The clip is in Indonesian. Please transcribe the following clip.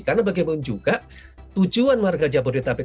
karena bagaimana juga tujuan warga jabodetabek